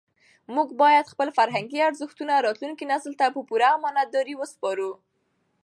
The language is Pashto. موږ باید خپل فرهنګي ارزښتونه راتلونکي نسل ته په پوره امانتدارۍ وسپارو.